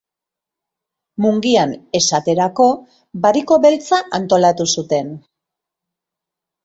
Mungian, esaterako, Bariko Beltza antolatu zuten.